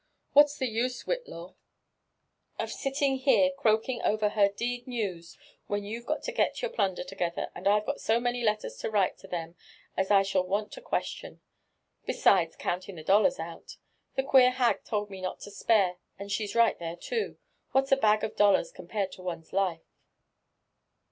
''What's the use, Whitlaw, of sitting here croaking over her d ^ news, when you've got to get your plunder together, and I've so many letters to write to them as 1 shall want you 40 question ?—besides'counting the dollars out. The queer hag told me not to spare— and she's right there too,— what's a bag of dollars compared to one's life?".